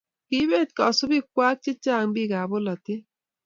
kiibet kasubikwak che chang' biikab bolatet